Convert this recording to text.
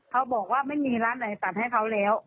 เขาบอกว่าไม่มีร้านไหนตัดให้เขาแล้ว